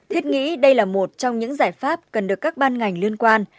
thiết nghĩ đây là một trong những giải pháp cần được các ban ngành liên quan